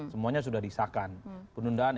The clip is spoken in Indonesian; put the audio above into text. semuanya sudah disahkan penundaan